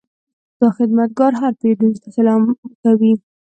دا خدمتګر هر پیرودونکي ته سلام کوي.